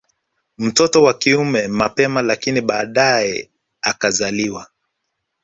Mtoto wa kiume mapema lakini baadae akazaliwa